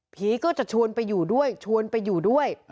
ก็จะชวนไปอยู่ด้วยชวนไปอยู่ด้วย